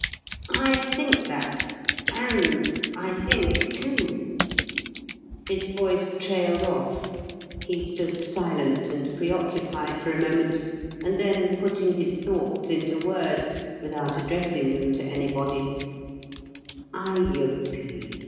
I think that and I think, too " His voice trailed off. He stood silent and preoccupied for a moment, and then, putting his thoughts into words, without addressing them to anybody: "Ayupee!"